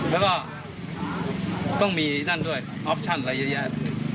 แล้วก็ต้องมีนั่นด้วยออปชั่นอะไรเยอะแยะ